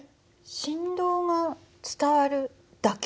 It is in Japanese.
振動が伝わるだけ。